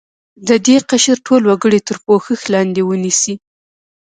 د دې قشر ټول وګړي تر پوښښ لاندې ونیسي.